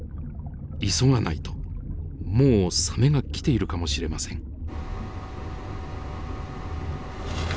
急がないともうサメが来ているかもしれません。